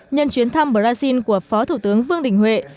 nhân chuyến thăm brazil của phó thủ tướng vương đình huệ